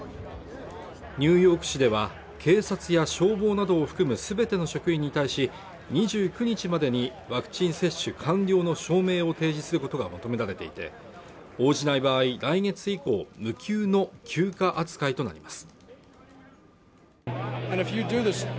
ニューヨーク市では警察や消防などを含む全ての職員に対し２９日までにワクチン接種完了の証明を提示することが求められていて応じない場合来月以降無給の休暇扱いとなります